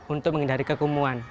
untuk menghindari kekumuan